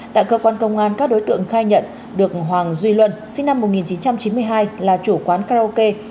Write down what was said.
tại cơ quan công an các đối tượng khai nhận được hoàng duy luân sinh năm một nghìn chín trăm chín mươi hai là chủ quán karaoke